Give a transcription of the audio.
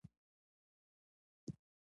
ټولنه باید د ښځو حقونو ته درناوی وکړي.